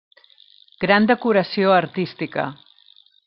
Gran decoració artística.